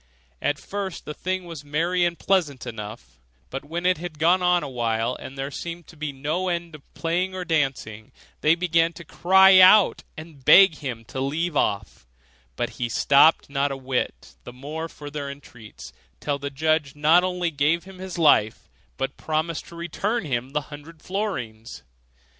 At first the thing was merry and pleasant enough; but when it had gone on a while, and there seemed to be no end of playing or dancing, they began to cry out, and beg him to leave off; but he stopped not a whit the more for their entreaties, till the judge not only gave him his life, but promised to return him the hundred florins.